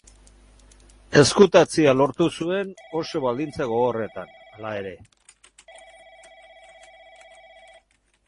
Ezkutatzea lortu zuen, oso baldintza gogorretan, hala ere.